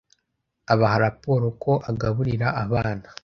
abaha raporo ko agaburira abana